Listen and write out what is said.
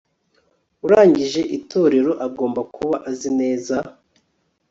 urangije itorero agomba kuba azi neza